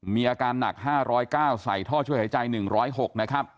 มีอาการหนัก๕๐๙ใส่ท่อช่วยหายใจ๑๐๖นะครับ